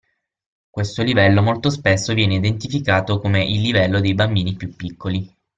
Questo livello molto spesso viene identificato come il livello dei bambini più piccoli.